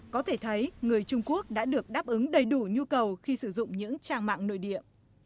có thể thấy người trung quốc đã được đáp ứng đầy đủ nhu cầu khi sử dụng những trang mạng nội địa